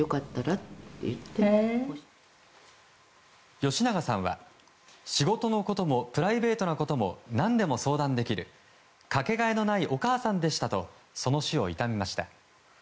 吉永さんは、仕事のこともプライベートなことも何でも相談できるかけがえのないお母さんでしたとその死を悼みました。